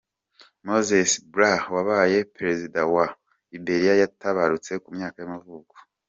Moses Blah wabaye perezida wa wa Liberia yaratabarutse, ku myaka y’amavuko.